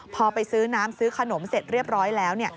พอไปซื้อน้ำซื้อขนมเสร็จเรียบร้อยแล้ว